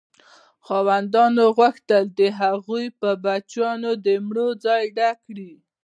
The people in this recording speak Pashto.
خاوندانو غوښتل د هغو په بچیانو د مړو ځای ډک کړي.